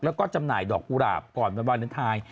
แล้วก็จำหน่ายดอกกุหลาบก่อนวันวาเลนไทย